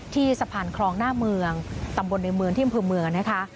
สะพานคลองหน้าเมืองตำบลในเมืองที่อำเภอเมืองนะคะ